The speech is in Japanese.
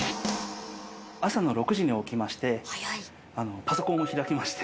朝の６時に起きましてパソコンを開きまして。